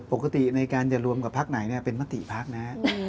ปกติในการจะรวมกับพักไหนเป็นมติภักดิ์นะฮะ